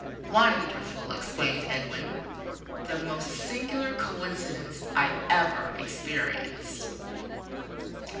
"Wonderful!" exclaimed Edwin. "The most singular coincidence I ever experienced."